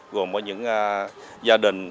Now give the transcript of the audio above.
gồm có những gia đình